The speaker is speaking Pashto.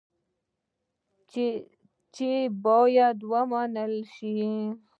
چې باید ومنل شي.